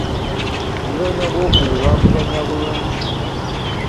Omuzannyo ogw’okubiri baaguzannya bulungi.